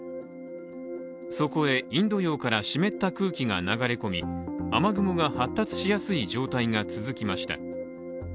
そこへインド洋から湿った空気が流れ込み雨雲が発達しやすい状態が続きました。